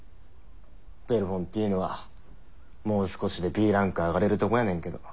ベルフォンティーヌはもう少しでＢランク上がれるとこやねんけど。